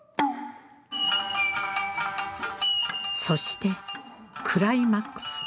そしてクライマックス。